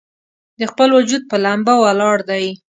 د خپل وجود پۀ ، لمبه ولاړ دی